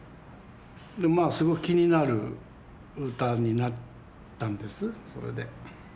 すごい気になる歌になったんですそれで。